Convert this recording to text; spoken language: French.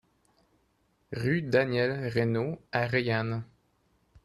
Rue Daniel Reynaud à Reillanne